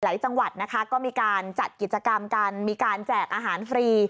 จังหวัดนะคะก็มีการจัดกิจกรรมกันมีการแจกอาหารฟรี